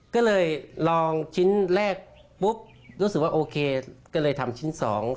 ก็เลยลองชิ้นแรกปุ๊บรู้สึกว่าโอเคก็เลยทำชิ้นสอง